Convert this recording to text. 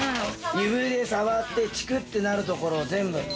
指で触ってチクってなる所を全部。